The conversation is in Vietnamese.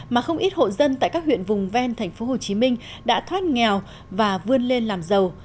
mà không ít hộ dân tại các huyện vùng ven tp hcm đã thoát nghèo và vươn lên làm giàu